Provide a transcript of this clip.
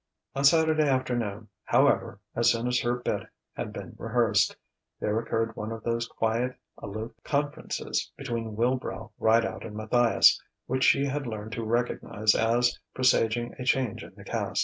On Saturday afternoon, however, as soon as her "bit" had been rehearsed, there occurred one of those quiet, aloof conferences between Wilbrow, Rideout, and Matthias, which she had learned to recognize as presaging a change in the cast.